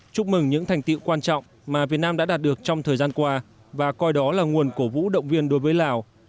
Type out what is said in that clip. chúc mừng những thành tiệu quan trọng mà việt nam đã đạt được trong thời gian qua và coi đó là nguồn cổ vũ động viên đối với lào